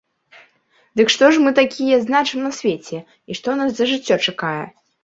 Дык што ж мы такія значым на свеце і што нас за жыццё чакае?